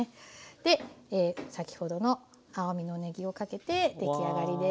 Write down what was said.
で先ほどの青みのねぎをかけて出来上がりです。